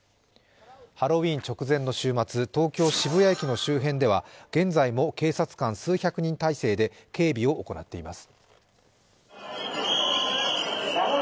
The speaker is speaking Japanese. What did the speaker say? ハロウィーン直前の週末、東京・渋谷駅の周辺では現在も警察官数百人態勢で警備を行っています。